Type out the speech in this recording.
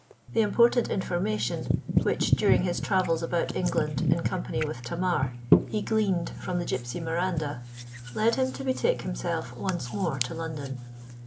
The important information which, during his travels about England in company with Tamar, he gleaned from the gipsy Miranda, led him to betake himself once more to London.